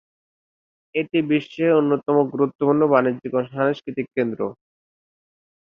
এটি বিশ্বের অন্যতম গুরুত্বপূর্ণ বাণিজ্যিক ও সাংস্কৃতিক কেন্দ্র।